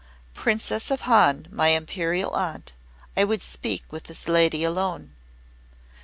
"Princess of Han, my Imperial Aunt, I would speak with this lady alone."